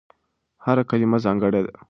هره کلمه ځانګړې ده.